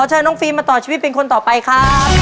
ดวงใจค่ะ